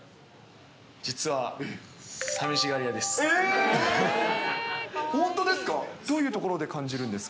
実はさみしがり屋です。